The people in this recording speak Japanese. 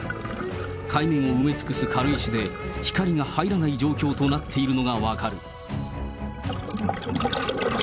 海面を埋め尽くす軽石で光が入らない状況となっているのが分かる。